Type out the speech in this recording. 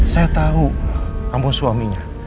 saya tau kamu suaminya